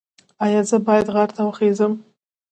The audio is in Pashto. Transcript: ایا زه باید غر ته وخیزم؟